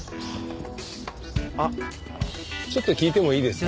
あっちょっと聞いてもいいですか？